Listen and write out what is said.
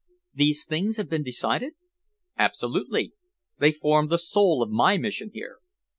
"These things have been decided?" "Absolutely! They form the soul of my mission here.